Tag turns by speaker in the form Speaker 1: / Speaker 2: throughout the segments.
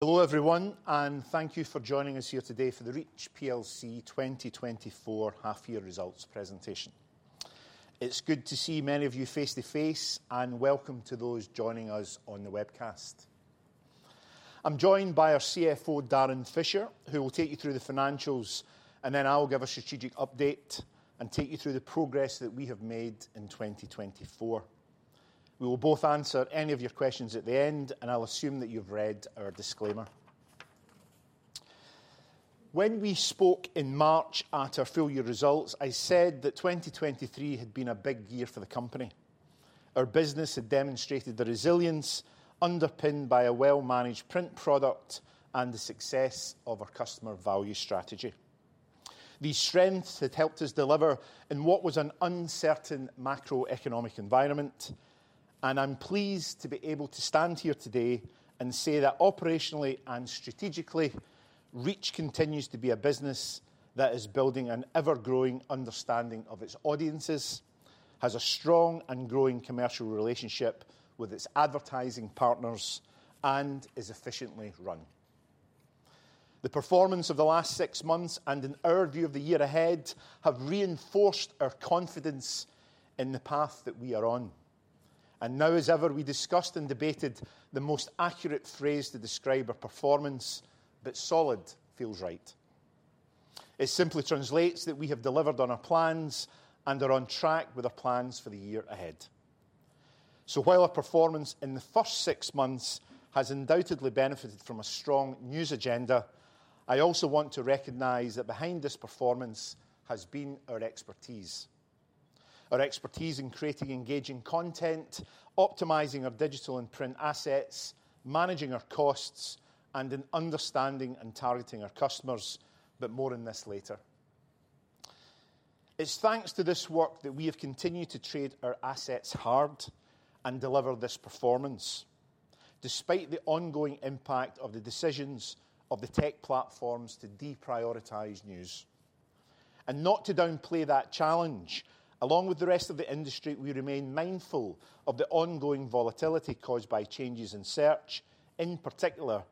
Speaker 1: Hello, everyone, and thank you for joining us here today for the Reach plc 2024 half-year results presentation. It's good to see many of you face to face, and welcome to those joining us on the webcast. I'm joined by our CFO, Darren Fisher, who will take you through the financials, and then I'll give a strategic update and take you through the progress that we have made in 2024. We will both answer any of your questions at the end, and I'll assume that you've read our disclaimer. When we spoke in March at our full-year results, I said that 2023 had been a big year for the company. Our business had demonstrated the resilience underpinned by a well-managed print product and the success of our customer value strategy. These strengths had helped us deliver in what was an uncertain macroeconomic environment, and I'm pleased to be able to stand here today and say that operationally and strategically, Reach continues to be a business that is building an ever-growing understanding of its audiences, has a strong and growing commercial relationship with its advertising partners, and is efficiently run. The performance of the last six months and in our view of the year ahead have reinforced our confidence in the path that we are on. And now, as ever, we discussed and debated the most accurate phrase to describe our performance, but solid feels right. It simply translates that we have delivered on our plans and are on track with our plans for the year ahead. So while our performance in the first half has undoubtedly benefited from a strong news agenda, I also want to recognize that behind this performance has been our expertise. Our expertise in creating engaging content, optimizing our digital and print assets, managing our costs, and in understanding and targeting our customers, but more on this later. It's thanks to this work that we have continued to trade our assets hard and deliver this performance, despite the ongoing impact of the decisions of the tech platforms to deprioritize news. And not to downplay that challenge, along with the rest of the industry, we remain mindful of the ongoing volatility caused by changes in search, in particular,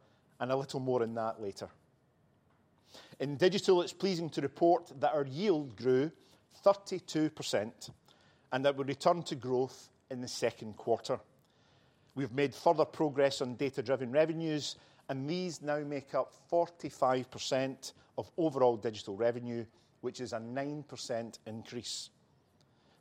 Speaker 1: and a little more on that later. In digital, it's pleasing to report that our yield grew 32% and that we returned to growth in the second quarter. We've made further progress on data-driven revenues, and these now make up 45% of overall digital revenue, which is a 9% increase.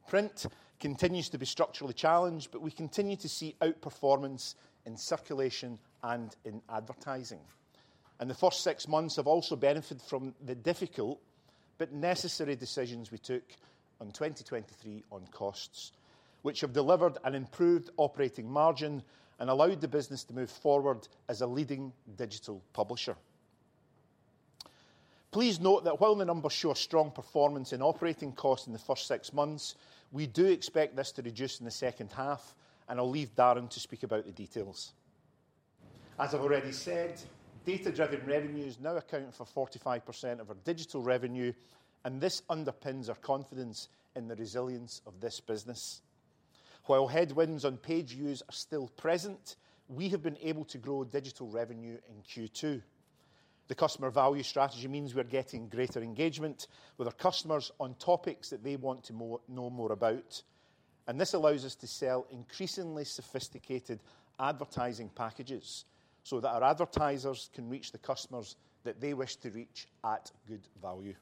Speaker 1: Print continues to be structurally challenged, but we continue to see outperformance in circulation and in advertising. The first half have also benefited from the difficult but necessary decisions we took in 2023 on costs, which have delivered an improved operating margin and allowed the business to move forward as a leading digital publisher. Please note that while the numbers show a strong performance in operating costs in the first half, we do expect this to reduce in the second half, and I'll leave Darren to speak about the details. As I've already said, data-driven revenues now account for 45% of our digital revenue, and this underpins our confidence in the resilience of this business. While headwinds on page views are still present, we have been able to grow digital revenue in second quarter. The customer value strategy means we're getting greater engagement with our customers on topics that they want to know more about. This allows us to sell increasingly sophisticated advertising packages so that our advertisers can reach the customers that they wish to reach at good value.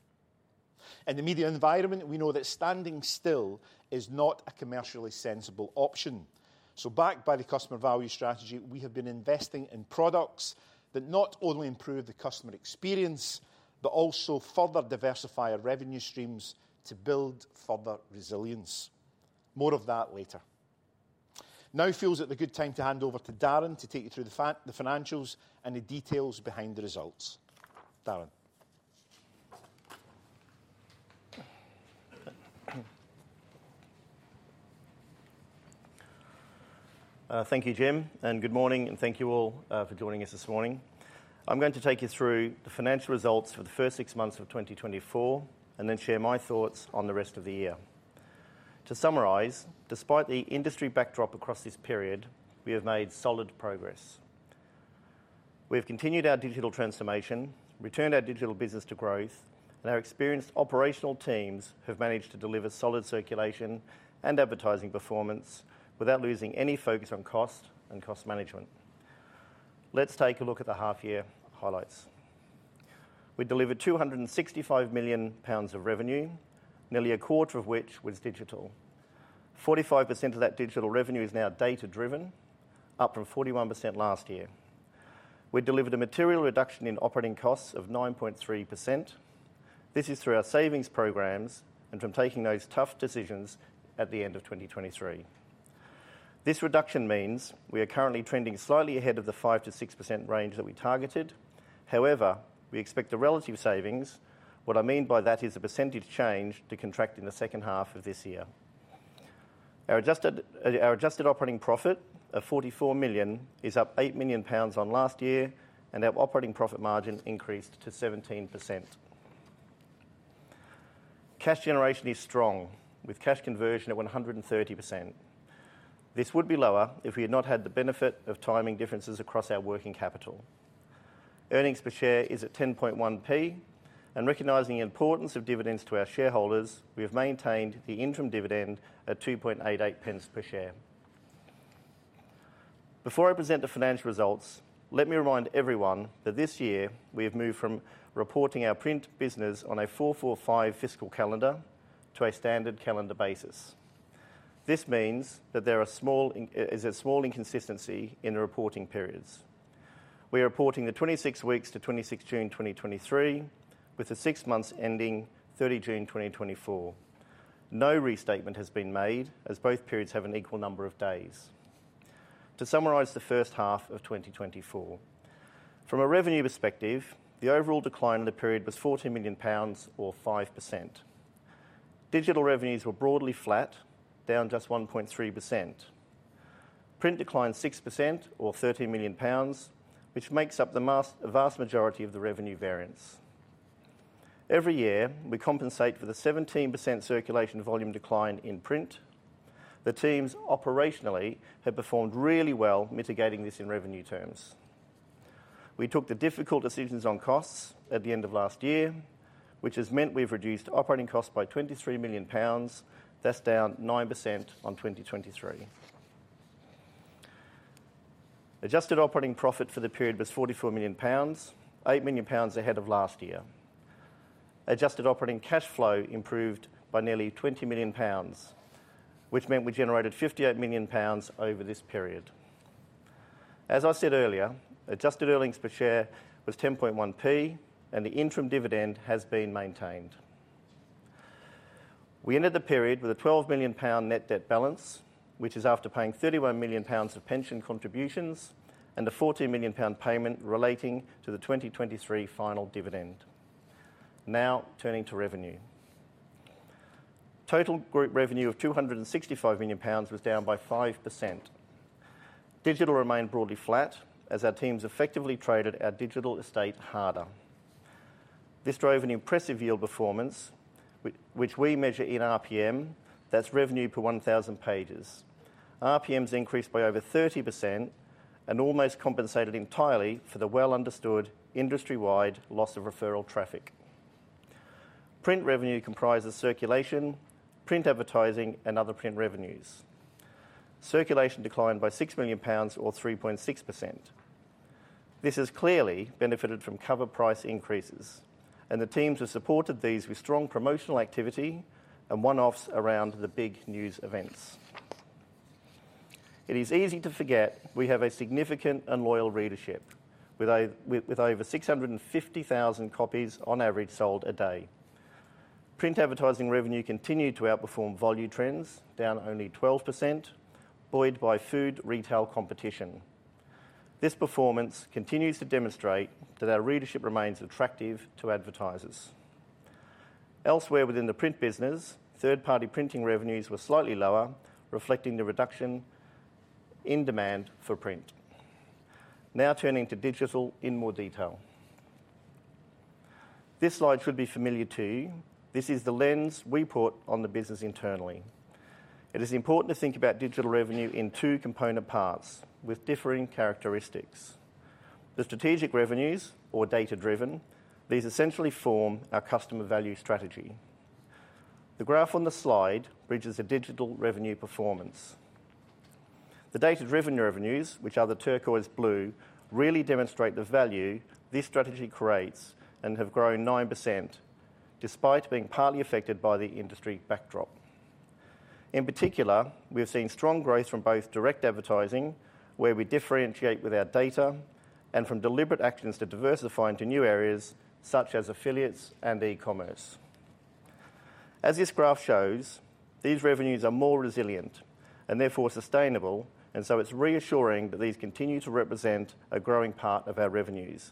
Speaker 1: In the media environment, we know that standing still is not a commercially sensible option. Backed by the customer value strategy, we have been investing in products that not only improve the customer experience, but also further diversify our revenue streams to build further resilience. More of that later. Now feels like the good time to hand over to Darren to take you through the financials and the details behind the results. Darren.
Speaker 2: Thank you, Jim. Good morning, and thank you all for joining us this morning. I'm going to take you through the financial results for the first half of 2024 and then share my thoughts on the rest of the year. To summarize, despite the industry backdrop across this period, we have made solid progress. We have continued our digital transformation, returned our digital business to growth, and our experienced operational teams have managed to deliver solid circulation and advertising performance without losing any focus on cost and cost management. Let's take a look at the half-year highlights. We delivered 265 million pounds of revenue, nearly a quarter of which was digital. 45% of that digital revenue is now data-driven, up from 41% last year. We delivered a material reduction in operating costs of 9.3%. This is through our savings programs and from taking those tough decisions at the end of 2023. This reduction means we are currently trending slightly ahead of the 5%-6% range that we targeted. However, we expect the relative savings. What I mean by that is a percentage change to contract in the second half of this year. Our adjusted operating profit of £44m is up £8m on last year, and our operating profit margin increased to 17%. Cash generation is strong, with cash conversion at 130%. This would be lower if we had not had the benefit of timing differences across our working capital. Earnings per share is at 10.1%, and recognizing the importance of dividends to our shareholders, we have maintained the interim dividend at 2.88 pence per share. Before I present the financial results, let me remind everyone that this year we have moved from reporting our print business on a 4-4-5 fiscal calendar to a standard calendar basis. This means that there is a small inconsistency in the reporting periods. We are reporting the 26 weeks to 26 June 2023, with the six months ending 30 June 2024. No restatement has been made, as both periods have an equal number of days. To summarize the first half of 2024, from a revenue perspective, the overall decline in the period was 14m pounds, or 5%. Digital revenues were broadly flat, down just 1.3%. Print declined 6%, or 13m pounds, which makes up the vast majority of the revenue variance. Every year, we compensate for the 17% circulation volume decline in print. The teams operationally have performed really well, mitigating this in revenue terms. We took the difficult decisions on costs at the end of last year, which has meant we've reduced operating costs by 23m pounds, thus down 9% on 2023. Adjusted operating profit for the period was 44m pounds, gbp 8m ahead of last year. Adjusted operating cash flow improved by nearly 20m pounds, which meant we generated 58m pounds over this period. As I said earlier, adjusted earnings per share was 10.1%, and the interim dividend has been maintained. We ended the period with a 12m pound net debt balance, which is after paying 31m pounds of pension contributions and a 14m pound payment relating to the 2023 final dividend. Now turning to revenue. Total group revenue of 265m pounds was down by 5%. Digital remained broadly flat, as our teams effectively traded our digital estate harder. This drove an impressive yield performance, which we measure in RPM, that's revenue per 1,000 pages. RPMs increased by over 30% and almost compensated entirely for the well-understood industry-wide loss of referral traffic. Print revenue comprises circulation, print advertising, and other print revenues. Circulation declined by 6m pounds, or 3.6%. This has clearly benefited from cover price increases, and the teams have supported these with strong promotional activity and one-offs around the big news events. It is easy to forget we have a significant and loyal readership, with over 650,000 copies on average sold a day. Print advertising revenue continued to outperform volume trends, down only 12%, buoyed by food retail competition. This performance continues to demonstrate that our readership remains attractive to advertisers. Elsewhere within the print business, third-party printing revenues were slightly lower, reflecting the reduction in demand for print. Now turning to digital in more detail. This slide should be familiar to you. This is the lens we put on the business internally. It is important to think about digital revenue in two component parts with differing characteristics. The strategic revenues, or data-driven, these essentially form our customer value strategy. The graph on the slide bridges the digital revenue performance. The data-driven revenues, which are the turquoise blue, really demonstrate the value this strategy creates and have grown 9%, despite being partly affected by the industry backdrop. In particular, we have seen strong growth from both direct advertising, where we differentiate with our data, and from deliberate actions to diversify into new areas such as affiliates and e-commerce. As this graph shows, these revenues are more resilient and therefore sustainable, and so it's reassuring that these continue to represent a growing part of our revenues,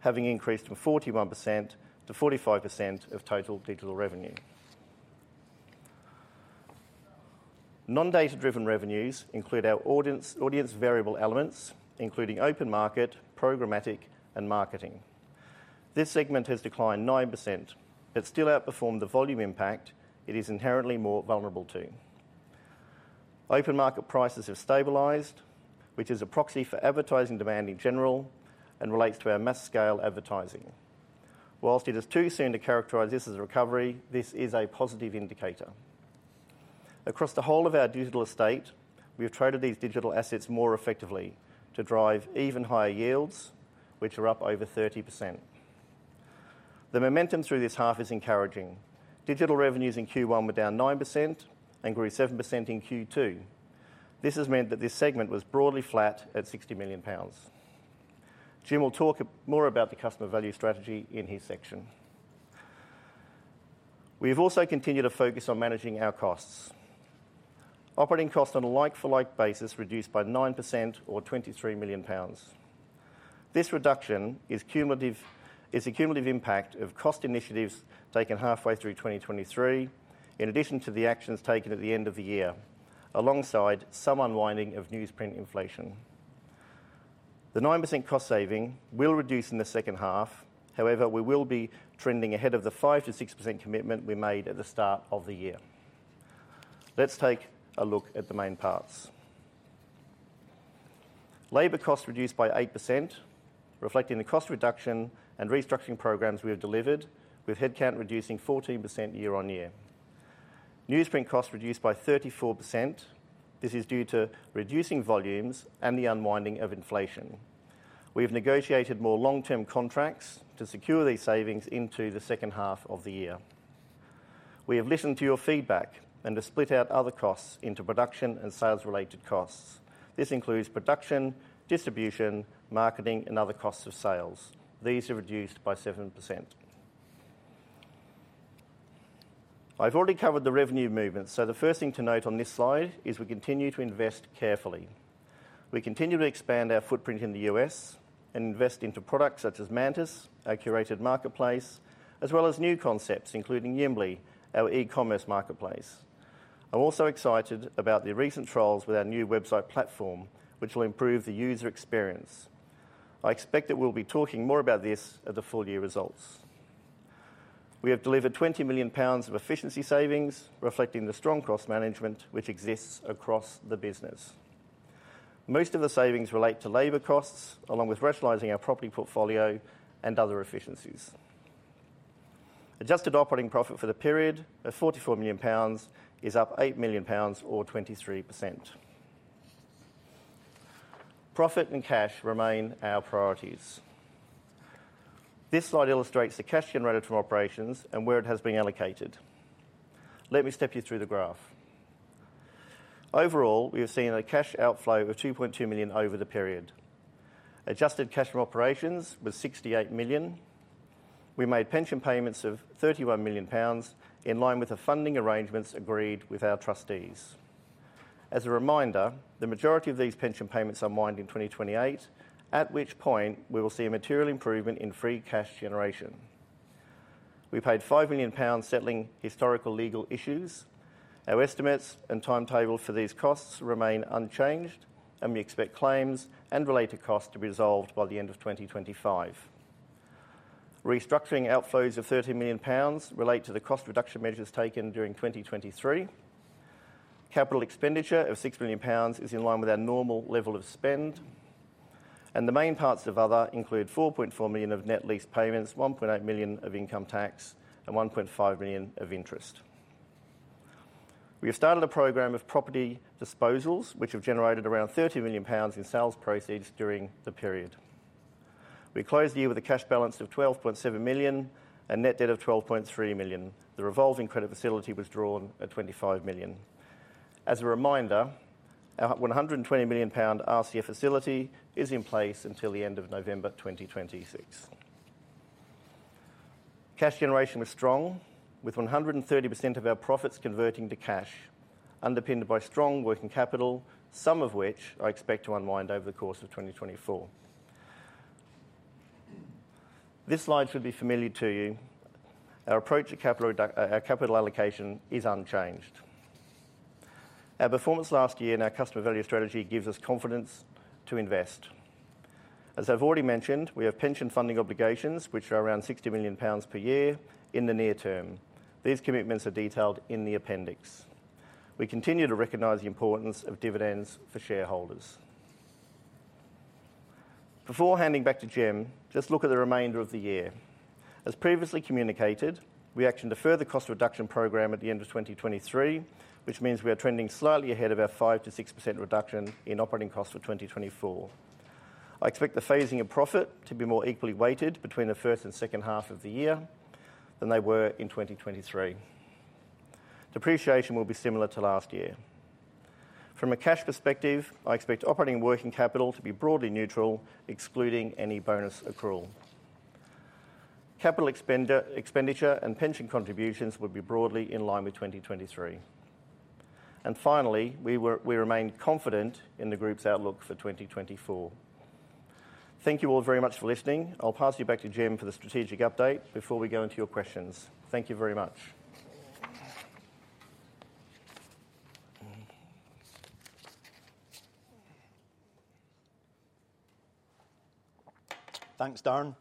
Speaker 2: having increased from 41%-45% of total digital revenue. Non-data-driven revenues include our audience variable elements, including open market, programmatic, and marketing. This segment has declined 9%, but still outperformed the volume impact it is inherently more vulnerable to. Open market prices have stabilized, which is a proxy for advertising demand in general and relates to our mass-scale advertising. Whilst it is too soon to characterize this as a recovery, this is a positive indicator. Across the whole of our digital estate, we have traded these digital assets more effectively to drive even higher yields, which are up over 30%. The momentum through this half is encouraging. Digital revenues in first quarter were down 9% and grew 7% in second quarter. This has meant that this segment was broadly flat at 60m pounds. Jim will talk more about the customer value strategy in his section. We have also continued to focus on managing our costs. Operating costs on a like-for-like basis reduced by 9%, or 23m pounds. This reduction is a cumulative impact of cost initiatives taken halfway through 2023, in addition to the actions taken at the end of the year, alongside some unwinding of newsprint inflation. The 9% cost saving will reduce in the second half. However, we will be trending ahead of the 5%-6% commitment we made at the start of the year. Let's take a look at the main parts. Labor costs reduced by 8%, reflecting the cost reduction and restructuring programs we have delivered, with headcount reducing 14% year-on-year. Newsprint costs reduced by 34%. This is due to reducing volumes and the unwinding of inflation. We have negotiated more long-term contracts to secure these savings into the second half of the year. We have listened to your feedback and have split out other costs into production and sales-related costs. This includes production, distribution, marketing, and other costs of sales. These are reduced by 7%. I've already covered the revenue movement, so the first thing to note on this slide is we continue to invest carefully. We continue to expand our footprint in the US and invest into products such as Mantis, our curated marketplace, as well as new concepts, including Yimbly, our e-commerce marketplace. I'm also excited about the recent trials with our new website platform, which will improve the user experience. I expect that we'll be talking more about this at the full year results. We have delivered 20m pounds of efficiency savings, reflecting the strong cost management which exists across the business. Most of the savings relate to labor costs, along with rationalizing our property portfolio and other efficiencies. Adjusted operating profit for the period of 44m pounds is up 8m pounds, or 23%. Profit and cash remain our priorities. This slide illustrates the cash generated from operations and where it has been allocated. Let me step you through the graph. Overall, we have seen a cash outflow of 2.2m over the period. Adjusted cash from operations was 68m. We made pension payments of 31m pounds in line with the funding arrangements agreed with our trustees. As a reminder, the majority of these pension payments end in 2028, at which point we will see a material improvement in free cash generation. We paid 5m pounds settling historical legal issues. Our estimates and timetable for these costs remain unchanged, and we expect claims and related costs to be resolved by the end of 2025. Restructuring outflows of £30m relate to the cost reduction measures taken during 2023. Capital expenditure of £6m is in line with our normal level of spend, and the main parts of other include £4.4m of net lease payments, £1.8m of income tax, and £1.5m of interest. We have started a program of property disposals, which have generated around £30m in sales proceeds during the period. We closed the year with a cash balance of £12.7m and net debt of £12.3m. The revolving credit facility was drawn at £25m. As a reminder, our £120m RCF facility is in place until the end of November 2026. Cash generation was strong, with 130% of our profits converting to cash, underpinned by strong working capital, some of which I expect to unwind over the course of 2024. This slide should be familiar to you. Our approach to capital allocation is unchanged. Our performance last year in our customer value strategy gives us confidence to invest. As I've already mentioned, we have pension funding obligations, which are around 60m pounds per year in the near term. These commitments are detailed in the appendix. We continue to recognize the importance of dividends for shareholders. Before handing back to Jim, just look at the remainder of the year. As previously communicated, we actioned a further cost reduction program at the end of 2023, which means we are trending slightly ahead of our 5%-6% reduction in operating costs for 2024. I expect the phasing of profit to be more equally weighted between the first half and second half of the year than they were in 2023. Depreciation will be similar to last year. From a cash perspective, I expect operating working capital to be broadly neutral, excluding any bonus accrual. Capital expenditure and pension contributions would be broadly in line with 2023. Finally, we remain confident in the group's outlook for 2024. Thank you all very much for listening. I'll pass you back to Jim for the strategic update before we go into your questions. Thank you very much. Thanks, Darren.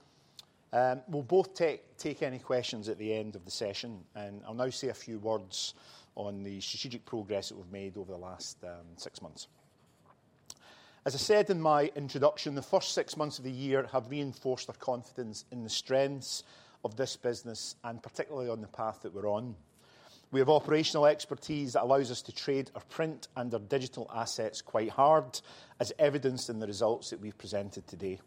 Speaker 2: We'll both take any questions at the end of the session, and I'll now say a few words on the strategic progress that we've made over the last six months. As I said in my introduction, the first half of the year have reinforced our confidence in the strengths of this business and particularly on the path that we're on.
Speaker 1: We have operational expertise that allows us to trade our print and our digital assets quite hard, as evidenced in the results that we've presented today.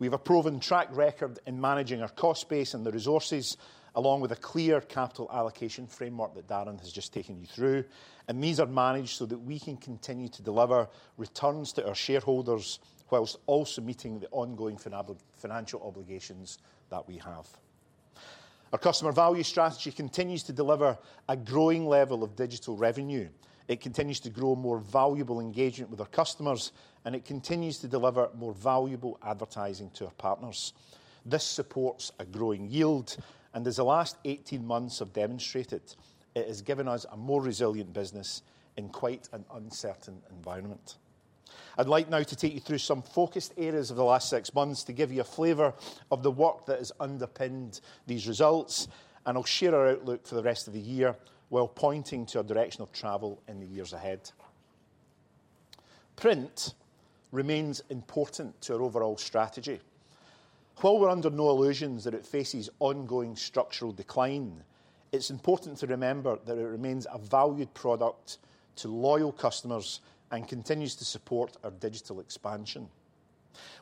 Speaker 1: We have a proven track record in managing our cost base and the resources, along with a clear capital allocation framework that Darren has just taken you through, and these are managed so that we can continue to deliver returns to our shareholders while also meeting the ongoing financial obligations that we have. Our Customer Value Strategy continues to deliver a growing level of digital revenue. It continues to grow more valuable engagement with our customers, and it continues to deliver more valuable advertising to our partners. This supports a growing yield, and as the last 18 months have demonstrated, it has given us a more resilient business in quite an uncertain environment. I'd like now to take you through some focused areas of the last six months to give you a flavor of the work that has underpinned these results, and I'll share our outlook for the rest of the year while pointing to our direction of travel in the years ahead. Print remains important to our overall strategy. While we're under no illusions that it faces ongoing structural decline, it's important to remember that it remains a valued product to loyal customers and continues to support our digital expansion.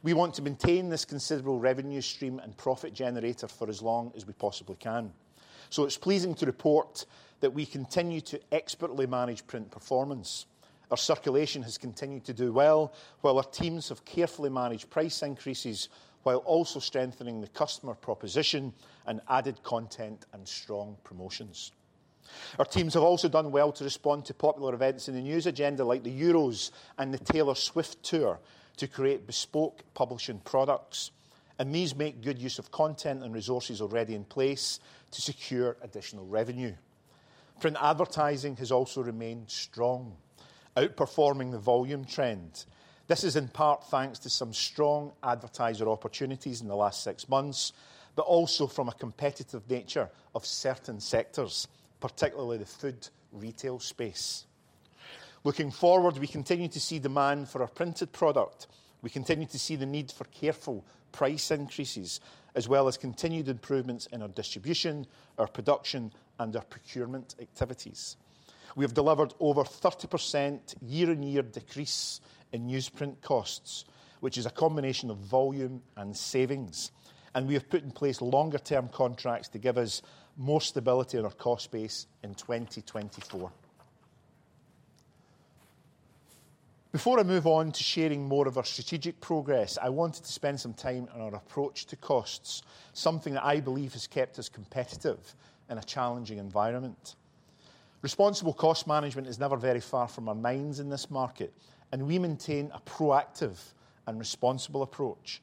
Speaker 1: We want to maintain this considerable revenue stream and profit generator for as long as we possibly can. So it's pleasing to report that we continue to expertly manage print performance. Our circulation has continued to do well, while our teams have carefully managed price increases while also strengthening the customer proposition and added content and strong promotions. Our teams have also done well to respond to popular events in the news agenda, like the Euros and the Taylor Swift tour, to create bespoke publishing products. And these make good use of content and resources already in place to secure additional revenue. Print advertising has also remained strong, outperforming the volume trend. This is in part thanks to some strong advertiser opportunities in the last six months, but also from a competitive nature of certain sectors, particularly the food retail space. Looking forward, we continue to see demand for our printed product. We continue to see the need for careful price increases, as well as continued improvements in our distribution, our production, and our procurement activities. We have delivered over 30% year-over-year decrease in newsprint costs, which is a combination of volume and savings. We have put in place longer-term contracts to give us more stability in our cost base in 2024. Before I move on to sharing more of our strategic progress, I wanted to spend some time on our approach to costs, something that I believe has kept us competitive in a challenging environment. Responsible cost management is never very far from our minds in this market, and we maintain a proactive and responsible approach.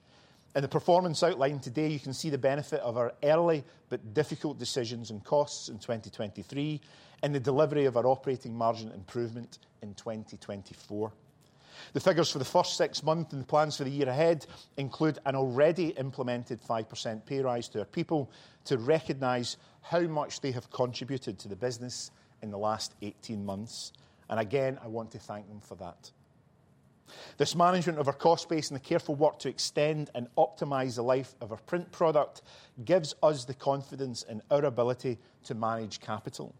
Speaker 1: In the performance outline today, you can see the benefit of our early but difficult decisions on costs in 2023 and the delivery of our operating margin improvement in 2024. The figures for the first half and the plans for the year ahead include an already implemented 5% pay rise to our people to recognize how much they have contributed to the business in the last 18 months. And again, I want to thank them for that. This management of our cost base and the careful work to extend and optimize the life of our print product gives us the confidence in our ability to manage capital,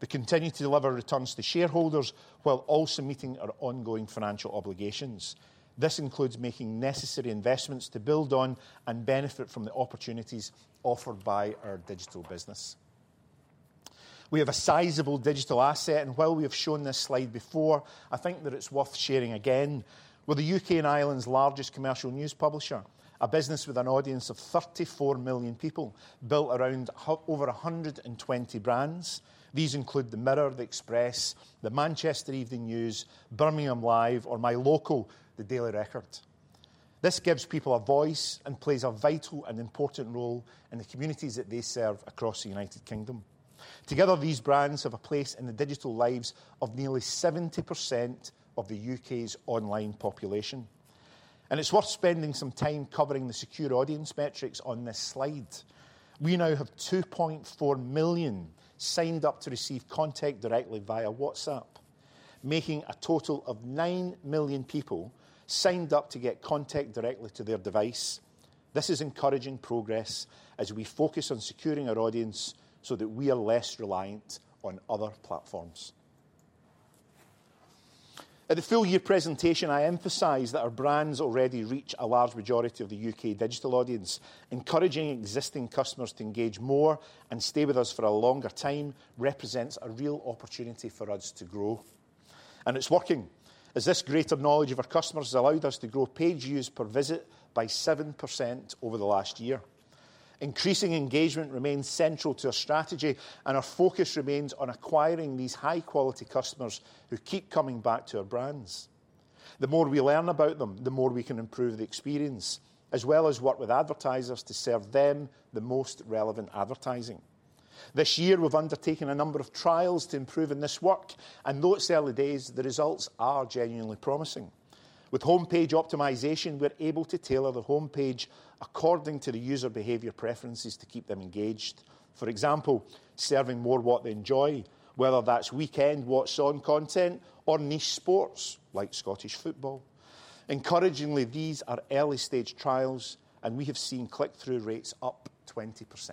Speaker 1: to continue to deliver returns to shareholders while also meeting our ongoing financial obligations. This includes making necessary investments to build on and benefit from the opportunities offered by our digital business. We have a sizable digital asset, and while we have shown this slide before, I think that it's worth sharing again. We're the UK and Ireland's largest commercial news publisher, a business with an audience of 34m people built around over 120 brands. These include The Mirror, The Express, The Manchester Evening News, Birmingham Live, or my local, The Daily Record. This gives people a voice and plays a vital and important role in the communities that they serve across the United Kingdom. Together, these brands have a place in the digital lives of nearly 70% of the UK's online population. It's worth spending some time covering the secure audience metrics on this slide. We now have 2.4m signed up to receive content directly via WhatsApp, making a total of 9m people signed up to get content directly to their device. This is encouraging progress as we focus on securing our audience so that we are less reliant on other platforms. At the full year presentation, I emphasize that our brands already reach a large majority of the UK digital audience. Encouraging existing customers to engage more and stay with us for a longer time represents a real opportunity for us to grow. It's working, as this greater knowledge of our customers has allowed us to grow page views per visit by 7% over the last year. Increasing engagement remains central to our strategy, and our focus remains on acquiring these high-quality customers who keep coming back to our brands. The more we learn about them, the more we can improve the experience, as well as work with advertisers to serve them the most relevant advertising. This year, we've undertaken a number of trials to improve in this work, and though it's early days, the results are genuinely promising. With homepage optimization, we're able to tailor the homepage according to the user behavior preferences to keep them engaged. For example, serving more what they enjoy, whether that's weekend what's on content or niche sports like Scottish football. Encouragingly, these are early-stage trials, and we have seen click-through rates up 20%.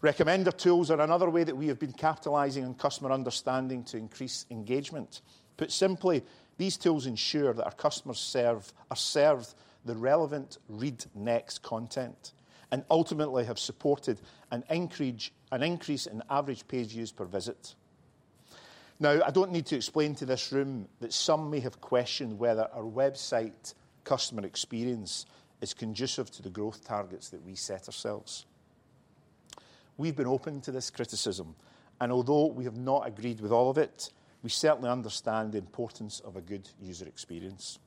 Speaker 1: Recommender tools are another way that we have been capitalizing on customer understanding to increase engagement. Put simply, these tools ensure that our customers are served the relevant read next content and ultimately have supported an increase in average page views per visit. Now, I don't need to explain to this room that some may have questioned whether our website customer experience is conducive to the growth targets that we set ourselves. We've been open to this criticism, and although we have not agreed with all of it, we certainly understand the importance of a good user experience.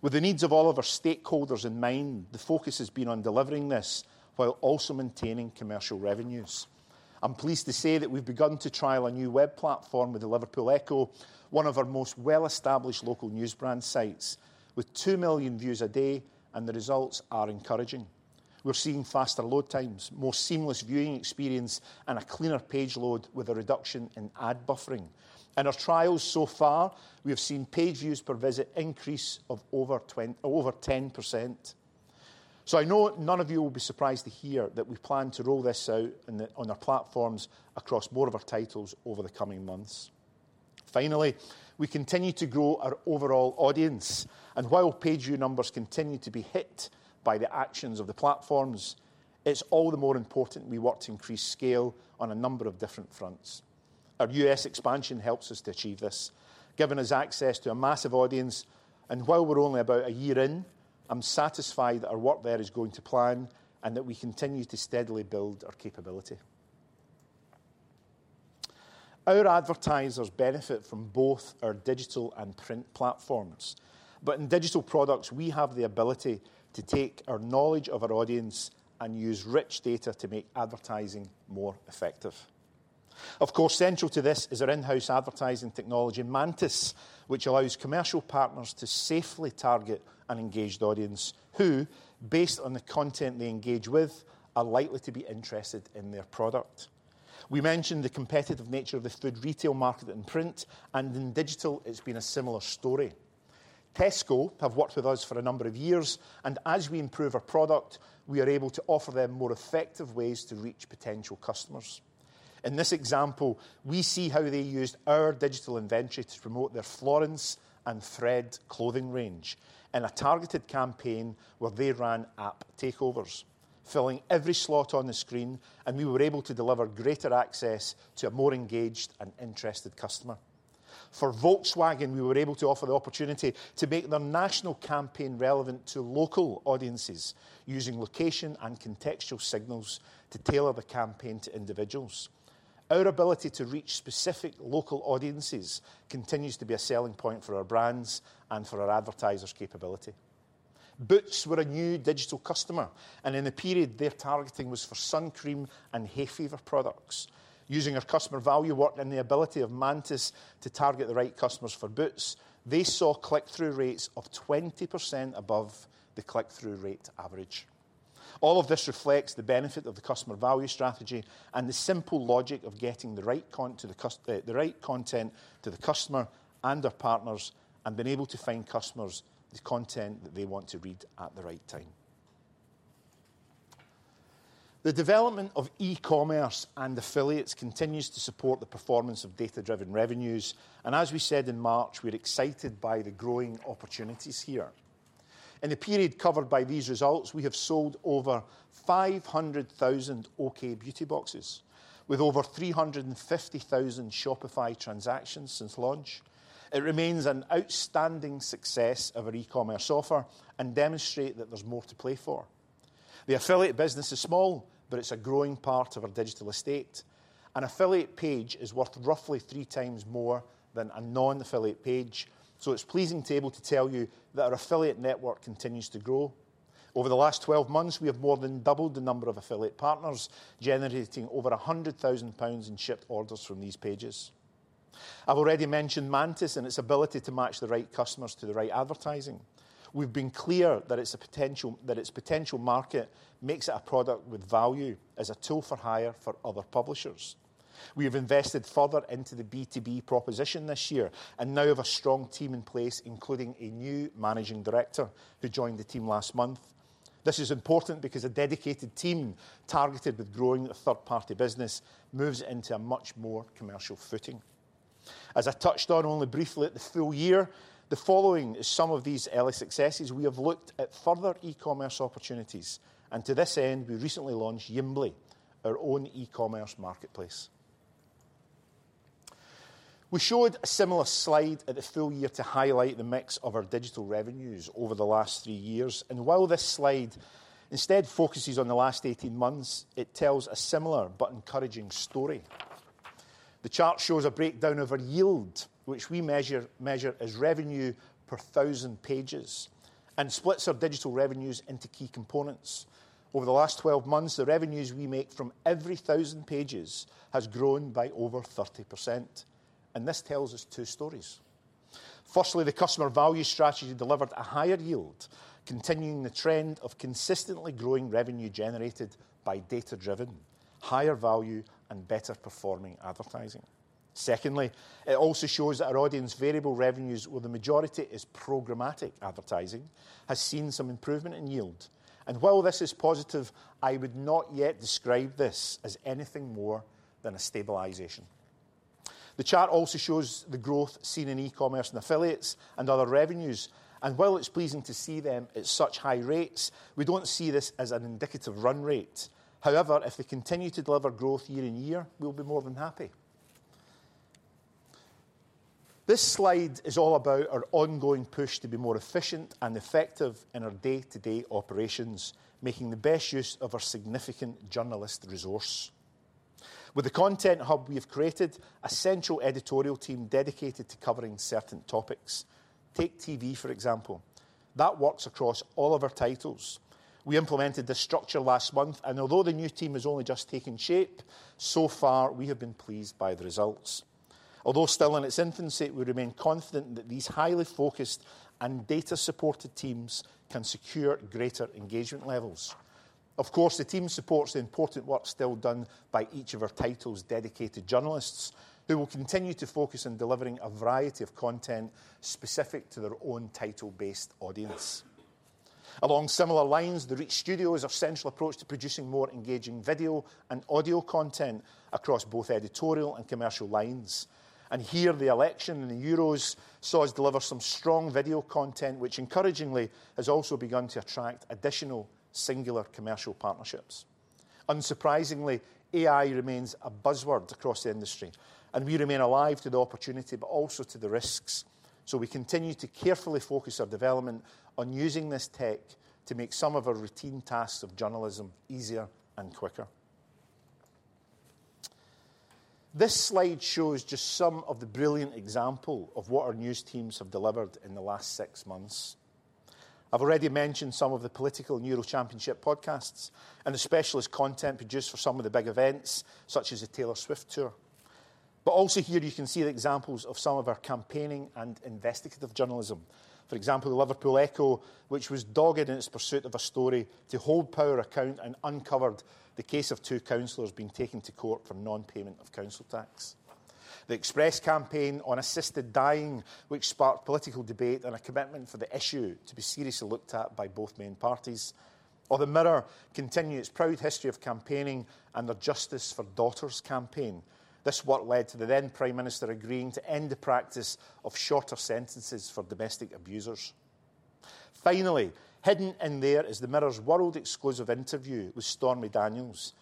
Speaker 1: With the needs of all of our stakeholders in mind, the focus has been on delivering this while also maintaining commercial revenues. I'm pleased to say that we've begun to trial a new web platform with the Liverpool Echo, one of our most well-established local news brand sites, with 2m views a day, and the results are encouraging. We're seeing faster load times, more seamless viewing experience, and a cleaner page load with a reduction in ad buffering. In our trials so far, we have seen page views per visit increase of over 10%. So I know none of you will be surprised to hear that we plan to roll this out on our platforms across more of our titles over the coming months. Finally, we continue to grow our overall audience, and while page view numbers continue to be hit by the actions of the platforms, it's all the more important we work to increase scale on a number of different fronts. Our US expansion helps us to achieve this, giving us access to a massive audience, and while we're only about a year in, I'm satisfied that our work there is going to plan and that we continue to steadily build our capability. Our advertisers benefit from both our digital and print platforms, but in digital products, we have the ability to take our knowledge of our audience and use rich data to make advertising more effective. Of course, central to this is our in-house advertising technology, Mantis, which allows commercial partners to safely target an engaged audience who, based on the content they engage with, are likely to be interested in their product. We mentioned the competitive nature of the food retail market in print, and in digital, it's been a similar story. Tesco have worked with us for a number of years, and as we improve our product, we are able to offer them more effective ways to reach potential customers. In this example, we see how they used our digital inventory to promote their F&F clothing range in a targeted campaign where they ran app takeovers, filling every slot on the screen, and we were able to deliver greater access to a more engaged and interested customer. For Volkswagen, we were able to offer the opportunity to make their national campaign relevant to local audiences using location and contextual signals to tailor the campaign to individuals. Our ability to reach specific local audiences continues to be a selling point for our brands and for our advertisers' capability. Boots were a new digital customer, and in the period, their targeting was for sun cream and hay fever products. Using our customer value work and the ability of Mantis to target the right customers for Boots, they saw click-through rates of 20% above the click-through rate average. All of this reflects the benefit of the customer value strategy and the simple logic of getting the right content to the customer and our partners and being able to find customers the content that they want to read at the right time. The development of e-commerce and affiliates continues to support the performance of data-driven revenues, and as we said in March, we're excited by the growing opportunities here. In the period covered by these results, we have sold over 500,000 OK! Beauty Boxes, with over 350,000 Shopify transactions since launch. It remains an outstanding success of our e-commerce offer and demonstrates that there's more to play for. The affiliate business is small, but it's a growing part of our digital estate. An affiliate page is worth roughly three times more than a non-affiliate page, so it's pleasing to be able to tell you that our affiliate network continues to grow. Over the last 12 months, we have more than doubled the number of affiliate partners, generating over 100,000 pounds in shipped orders from these pages. I've already mentioned Mantis and its ability to match the right customers to the right advertising. We've been clear that its potential market makes it a product with value as a tool for hire for other publishers. We have invested further into the B2B proposition this year and now have a strong team in place, including a new managing director who joined the team last month. This is important because a dedicated team targeted with growing a third-party business moves into a much more commercial footing. As I touched on only briefly at the full year, the following is some of these early successes. We have looked at further e-commerce opportunities, and to this end, we recently launched Yimbly, our own e-commerce marketplace. We showed a similar slide at the full year to highlight the mix of our digital revenues over the last three years, and while this slide instead focuses on the last 18 months, it tells a similar but encouraging story. The chart shows a breakdown of our yield, which we measure as revenue per 1,000 pages, and splits our digital revenues into key components. Over the last 12 months, the revenues we make from every 1,000 pages have grown by over 30%, and this tells us two stories. Firstly, the Customer Value Strategy delivered a higher yield, continuing the trend of consistently growing revenue generated by data-driven, higher value, and better performing advertising. Secondly, it also shows that our audience variable revenues, where the majority is programmatic advertising, have seen some improvement in yield. And while this is positive, I would not yet describe this as anything more than a stabilization. The chart also shows the growth seen in e-commerce and affiliates and other revenues, and while it's pleasing to see them at such high rates, we don't see this as an indicative run rate. However, if they continue to deliver growth year in year, we'll be more than happy. This slide is all about our ongoing push to be more efficient and effective in our day-to-day operations, making the best use of our significant journalist resource. With the content hub we have created, a central editorial team dedicated to covering certain topics, take TV, for example, that works across all of our titles. We implemented this structure last month, and although the new team has only just taken shape, so far we have been pleased by the results. Although still in its infancy, we remain confident that these highly focused and data-supported teams can secure greater engagement levels. Of course, the team supports the important work still done by each of our titles' dedicated journalists, who will continue to focus on delivering a variety of content specific to their own title-based audience. Along similar lines, Reach Studio is a central approach to producing more engaging video and audio content across both editorial and commercial lines. Here, the election and the Euros saw us deliver some strong video content, which encouragingly has also begun to attract additional singular commercial partnerships. Unsurprisingly, AI remains a buzzword across the industry, and we remain alive to the opportunity, but also to the risks. We continue to carefully focus our development on using this tech to make some of our routine tasks of journalism easier and quicker. This slide shows just some of the brilliant example of what our news teams have delivered in the last six months. I've already mentioned some of the political Euro Championship podcasts and the specialist content produced for some of the big events, such as the Taylor Swift tour. But also here, you can see the examples of some of our campaigning and investigative journalism. For example, the Liverpool Echo, which was dogged in its pursuit of a story to hold power to account and uncovered the case of two councillors being taken to court for non-payment of council tax. The Express campaign on assisted dying, which sparked political debate and a commitment for the issue to be seriously looked at by both main parties. Or the Mirror continues its proud history of campaigning and the Justice for Daughters campaign. This work led to the then Prime Minister agreeing to end the practice of shorter sentences for domestic abusers. Finally, hidden in there is the Mirror's world-exclusive interview with Stormy Daniels.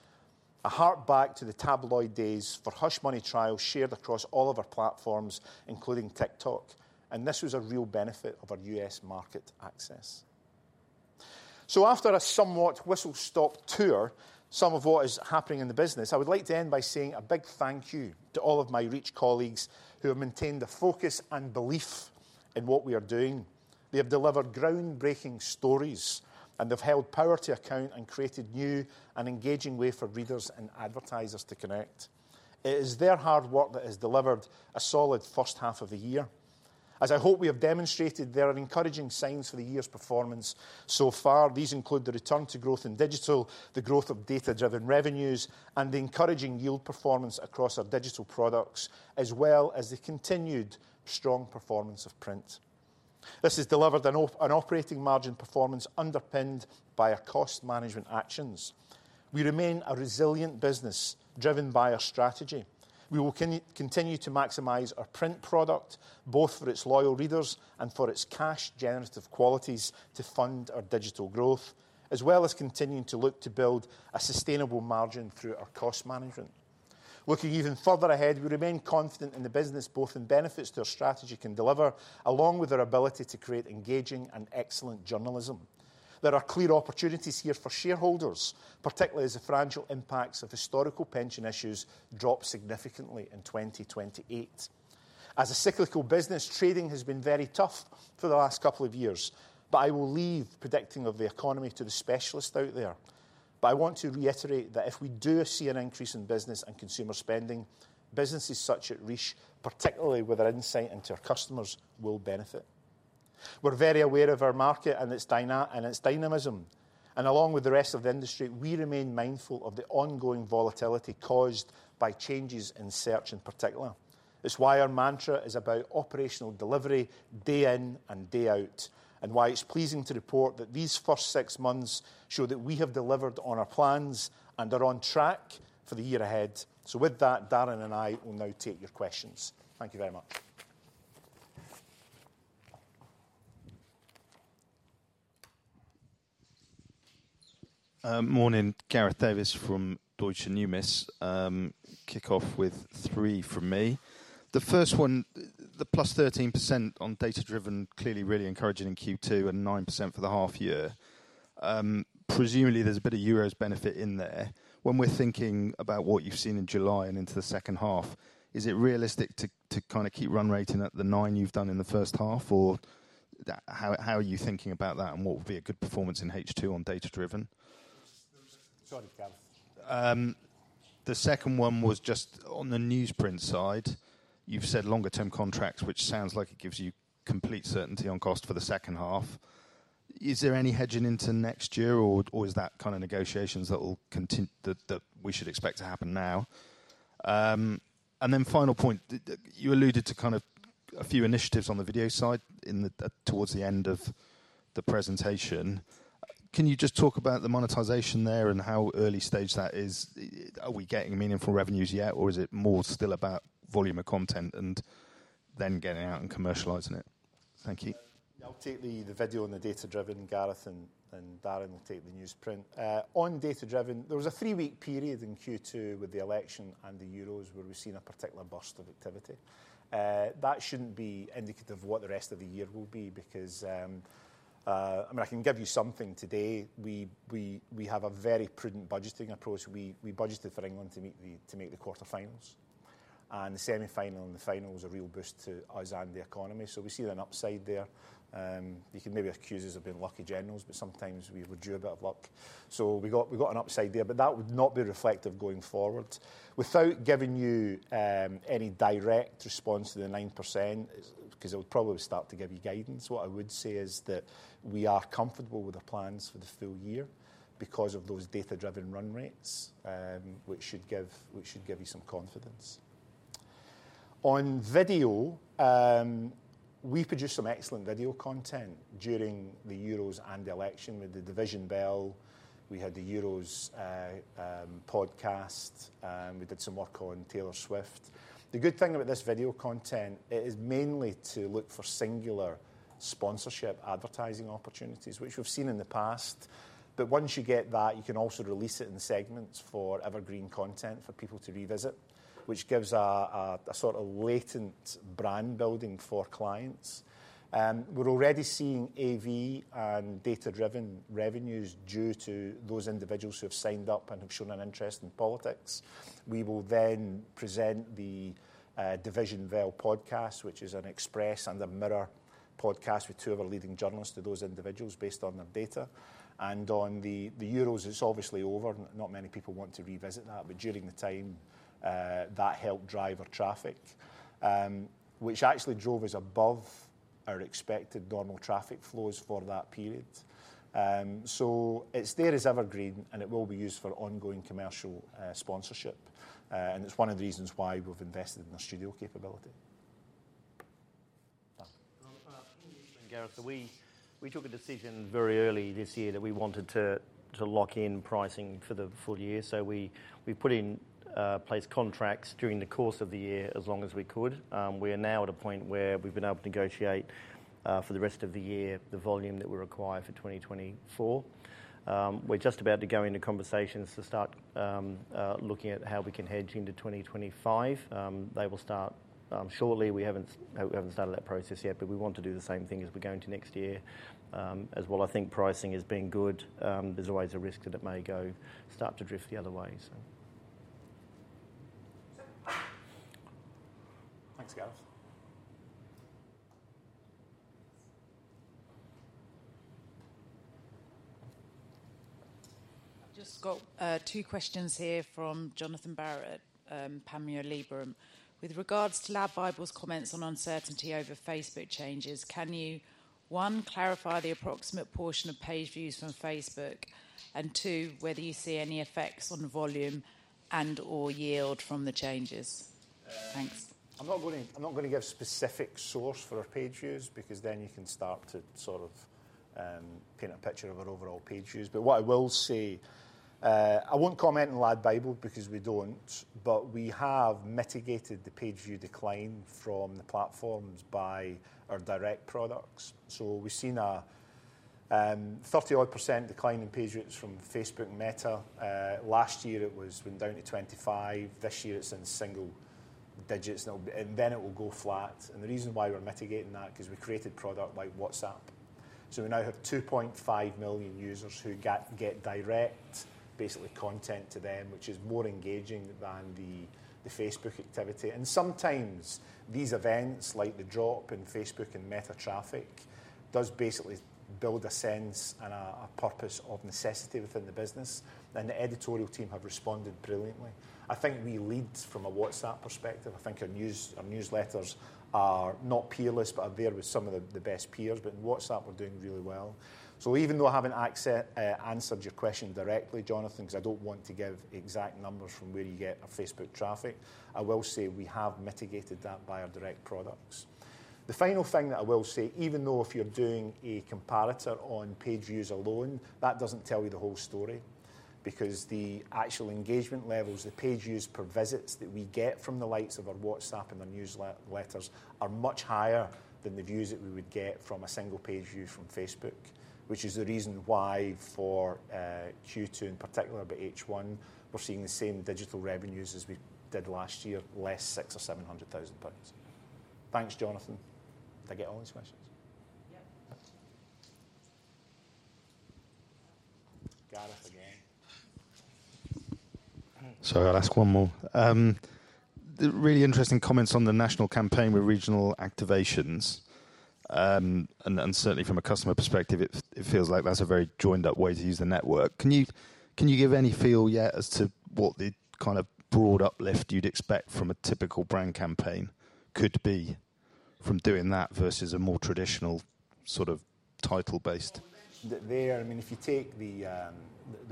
Speaker 1: A throwback to the tabloid days for hush money trials shared across all of our platforms, including TikTok, and this was a real benefit of our US market access. So after a somewhat whistle-stop tour, some of what is happening in the business, I would like to end by saying a big thank you to all of my Reach colleagues who have maintained the focus and belief in what we are doing. They have delivered groundbreaking stories, and they've held power to account and created a new and engaging way for readers and advertisers to connect. It is their hard work that has delivered a solid first half of the year. As I hope we have demonstrated, there are encouraging signs for the year's performance. So far, these include the return to growth in digital, the growth of data-driven revenues, and the encouraging yield performance across our digital products, as well as the continued strong performance of print. This has delivered an operating margin performance underpinned by our cost management actions. We remain a resilient business driven by our strategy. We will continue to maximize our print product, both for its loyal readers and for its cash-generative qualities to fund our digital growth, as well as continuing to look to build a sustainable margin through our cost management. Looking even further ahead, we remain confident in the business, both in benefits to our strategy can deliver, along with our ability to create engaging and excellent journalism. There are clear opportunities here for shareholders, particularly as the fragile impacts of historical pension issues drop significantly in 2028. As a cyclical business, trading has been very tough for the last couple of years, but I will leave predicting of the economy to the specialist out there. But I want to reiterate that if we do see an increase in business and consumer spending, businesses such as Reach, particularly with our insight into our customers, will benefit. We're very aware of our market and its dynamism, and along with the rest of the industry, we remain mindful of the ongoing volatility caused by changes in search in particular. It's why our mantra is about operational delivery day in and day out, and why it's pleasing to report that these first half show that we have delivered on our plans and are on track for the year ahead. So with that, Darren and I will now take your questions. Thank you very much. Morning, Gareth Davies from Deutsche Numis. Kick off with three from me. The first one, the +13% on data-driven, clearly really encouraging in second quarter and 9% for the half year.
Speaker 3: Presumably, there's a bit of Euros benefit in there. When we're thinking about what you've seen in July and into the second half, is it realistic to kind of keep run rating at the nine you've done in the first half, or how are you thinking about that and what would be a good performance in second half on data-driven? Sorry, Gareth. The second one was just on the newsprint side. You've said longer-term contracts, which sounds like it gives you complete certainty on cost for the second half. Is there any hedging into next year, or is that kind of negotiations that we should expect to happen now? And then final point, you alluded to kind of a few initiatives on the video side towards the end of the presentation. Can you just talk about the monetization there and how early stage that is? Are we getting meaningful revenues yet, or is it more still about volume of content and then getting out and commercializing it? Thank you. I'll take the video on the data-driven, Gareth, and Darren will take the newsprint. On data-driven, there was a three-week period in second quarter with the election and the Euros where we've seen a particular burst of activity. That shouldn't be indicative of what the rest of the year will be because, I mean, I can give you something today. We have a very prudent budgeting approach. We budgeted for England to make the quarterfinals, and the semifinal and the final was a real boost to us and the economy. So we see an upside there. You can maybe accuse us of being lucky generals, but sometimes we do have a bit of luck.
Speaker 1: So we got an upside there, but that would not be reflective going forward. Without giving you any direct response to the 9%, because it would probably start to give you guidance, what I would say is that we are comfortable with our plans for the full year because of those data-driven run rates, which should give you some confidence. On video, we produced some excellent video content during the Euros and the election with The Division Bell. We had the Euros podcast. We did some work on Taylor Swift. The good thing about this video content is mainly to look for singular sponsorship advertising opportunities, which we've seen in the past. But once you get that, you can also release it in segments for evergreen content for people to revisit, which gives a sort of latent brand building for clients. We're already seeing AV and data-driven revenues due to those individuals who have signed up and have shown an interest in politics. We will then present The Division Bell podcast, which is an Express and a Mirror podcast with two of our leading journalists to those individuals based on their data. And on the Euros, it's obviously over. Not many people want to revisit that, but during the time, that helped drive our traffic, which actually drove us above our expected normal traffic flows for that period. So it's there as evergreen, and it will be used for ongoing commercial sponsorship. And it's one of the reasons why we've invested in our studio capability. And Gareth, we took a decision very early this year that we wanted to lock in pricing for the full year.
Speaker 4: So we put in place contracts during the course of the year as long as we could. We are now at a point where we've been able to negotiate for the rest of the year the volume that we require for 2024. We're just about to go into conversations to start looking at how we can hedge into 2025. They will start shortly. We haven't started that process yet, but we want to do the same thing as we're going to next year as well. I think pricing has been good. There's always a risk that it may start to drift the other way. Thanks, Gareth. I've just got two questions here from Jonathan Barrett, Panmure Liberum.
Speaker 5: With regards to LADbible's comments on uncertainty over Facebook changes, can you, one, clarify the approximate portion of page views from Facebook, and two, whether you see any effects on volume and/or yield from the changes? Thanks. I'm not going to give a specific source for our page views because then you can start to sort of paint a picture of our overall page views. But what I will say, I won't comment on LADbible because we don't, but we have mitigated the page view decline from the platforms by our direct products. So we've seen a 30% decline in page views from Facebook and Meta. Last year, it was down to 25%. This year, it's in single digits, and then it will go flat. And the reason why we're mitigating that is because we created a product like WhatsApp.
Speaker 1: So we now have 2.5m users who get direct, basically, content to them, which is more engaging than the Facebook activity. And sometimes these events, like the drop in Facebook and Meta traffic, do basically build a sense and a purpose of necessity within the business. And the editorial team have responded brilliantly. I think we lead from a WhatsApp perspective. I think our newsletters are not peerless, but are there with some of the best peers. But in WhatsApp, we're doing really well. So even though I haven't answered your question directly, Jonathan, because I don't want to give exact numbers from where you get our Facebook traffic, I will say we have mitigated that by our direct products. The final thing that I will say, even though if you're doing a comparator on page views alone, that doesn't tell you the whole story because the actual engagement levels, the page views per visits that we get from the likes of our WhatsApp and our newsletters are much higher than the views that we would get from a single page view from Facebook, which is the reason why for second quarter in particular, but first half, we're seeing the same digital revenues as we did last year, less 0.6m or 0.7m pounds. Thanks, Jonathan. Did I get all his questions? Yep. Gareth again. Sorry, I'll ask one more. The really interesting comments on the national campaign with regional activations, and certainly from a customer perspective, it feels like that's a very joined-up way to use the network.
Speaker 3: Can you give any feel yet as to what the kind of broad uplift you'd expect from a typical brand campaign could be from doing that versus a more traditional sort of title-based? I mean, if you take the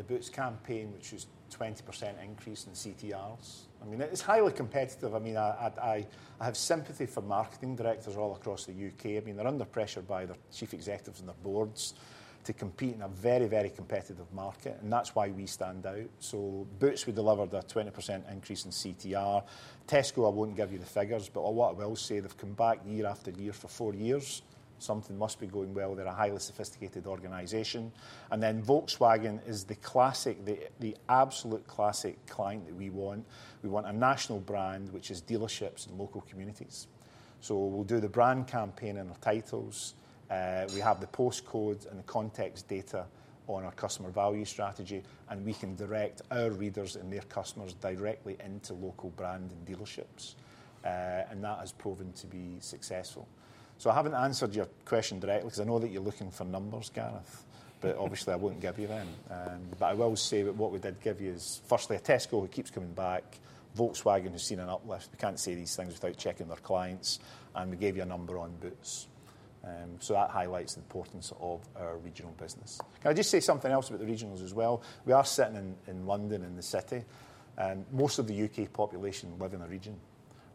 Speaker 3: Boots campaign, which is a 20% increase in CTRs, I mean, it's highly competitive. I mean, I have sympathy for marketing directors all across the UK. I mean, they're under pressure by their chief executives and their boards to compete in a very, very competitive market, and that's why we stand out. So Boots, we delivered a 20% increase in CTR. Tesco, I won't give you the figures, but what I will say, they've come back year after year for 4 years. Something must be going well. They're a highly sophisticated organization. And then Volkswagen is the absolute classic client that we want.
Speaker 1: We want a national brand, which is dealerships and local communities. So we'll do the brand campaign in our titles. We have the postcodes and the context data on our Customer Value Strategy, and we can direct our readers and their customers directly into local brand and dealerships. And that has proven to be successful. So I haven't answered your question directly because I know that you're looking for numbers, Gareth, but obviously, I wouldn't give you them. But I will say that what we did give you is, firstly, a Tesco who keeps coming back, Volkswagen who's seen an uplift. We can't say these things without checking their clients. And we gave you a number on Boots. So that highlights the importance of our regional business. Can I just say something else about the regionals as well? We are sitting in London in the city.
Speaker 2: Most of the UK population live in the region,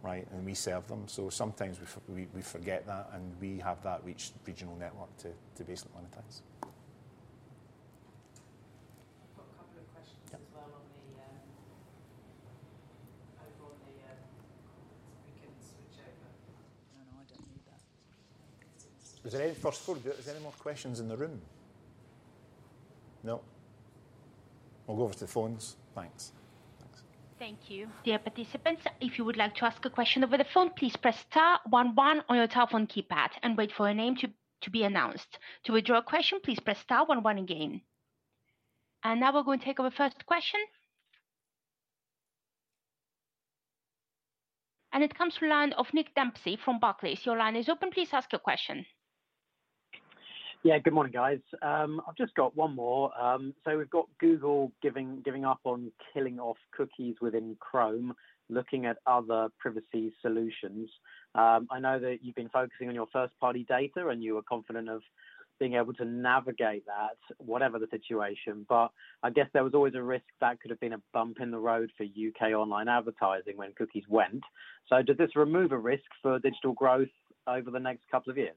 Speaker 2: right? And we serve them. So sometimes we forget that, and we have that regional network to basically monetize. I've got a couple of questions as well on the over on the comments. We can switch over. No, no, I don't need that. Is there any—first of all, is there any more questions in the room? No? We'll go over to the phones. Thanks. Thanks. Thank you. Dear participants, if you would like to ask a question over the phone, please press star 11 on your telephone keypad and wait for a name to be announced. To withdraw a question, please press star 11 again. And now we're going to take our first question. And it comes from the line of Nick Dempsey from Barclays. Your line is open. Please ask your question. Yeah, good morning, guys.
Speaker 6: I've just got one more. So we've got Google giving up on killing off cookies within Chrome, looking at other privacy solutions. I know that you've been focusing on your first-party data, and you were confident of being able to navigate that, whatever the situation. But I guess there was always a risk that could have been a bump in the road for UK online advertising when cookies went. So does this remove a risk for digital growth over the next couple of years?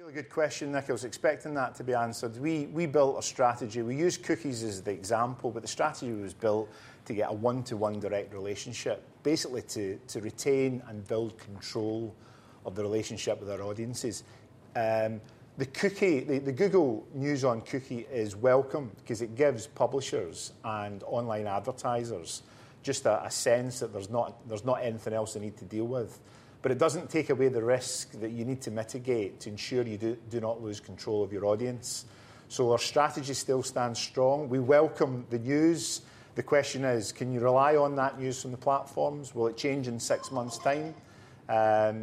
Speaker 6: Yeah, it's a really good question. I was expecting that to be answered. We built a strategy. We used cookies as the example, but the strategy was built to get a one-to-one direct relationship, basically to retain and build control of the relationship with our audiences.
Speaker 1: The Google news on cookies is welcome because it gives publishers and online advertisers just a sense that there's not anything else they need to deal with. But it doesn't take away the risk that you need to mitigate to ensure you do not lose control of your audience. So our strategy still stands strong. We welcome the news. The question is, can you rely on that news from the platforms? Will it change in six months time?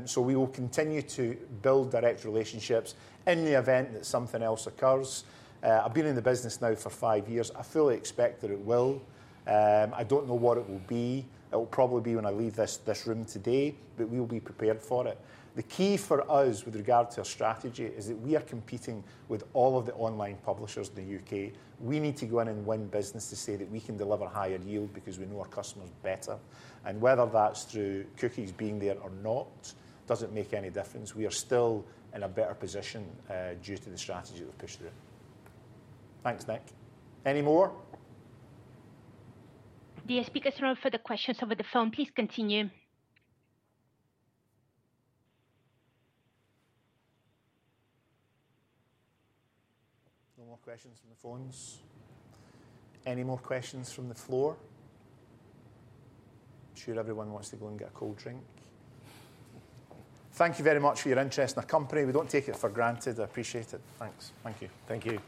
Speaker 1: So we will continue to build direct relationships in the event that something else occurs. I've been in the business now for 5 years. I fully expect that it will. I don't know what it will be. It will probably be when I leave this room today, but we will be prepared for it. The key for us with regard to our strategy is that we are competing with all of the online publishers in the UK We need to go in and win business to say that we can deliver higher yield because we know our customers better. And whether that's through cookies being there or not, it doesn't make any difference. We are still in a better position due to the strategy that we've pushed through. Thanks, Nick. Any more? Dear speakers, no further questions over the phone. Please continue. No more questions from the phones. Any more questions from the floor? I'm sure everyone wants to go and get a cold drink. Thank you very much for your interest in our company. We don't take it for granted. I appreciate it. Thanks. Thank you. Thank you.